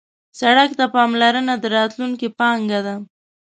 سړک ته پاملرنه د راتلونکي پانګه ده.